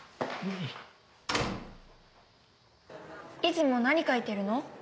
いつも何描いてるの？